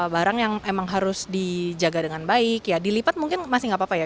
barang yang emang harus dijaga dengan baik ya dilipat mungkin masih nggak apa apa ya